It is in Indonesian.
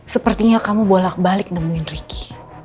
sepertinya kamu bolak balik nemuin ricky